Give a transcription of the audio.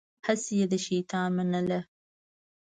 هسې يې د شيطان منله.